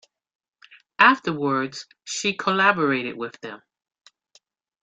Afterwards, she collaborated with them.